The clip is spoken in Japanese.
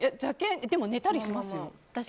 でも、寝たりしますよ。